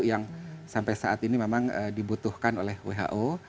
yang sampai saat ini memang dibutuhkan oleh who